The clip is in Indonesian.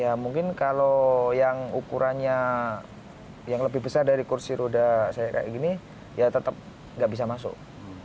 ya mungkin kalau yang ukurannya yang lebih besar dari kursi roda saya kayak gini ya tetap nggak bisa masuk